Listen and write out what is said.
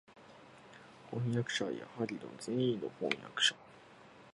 飜訳者はやはり善意の（まさか悪意のではあるまい）叛逆者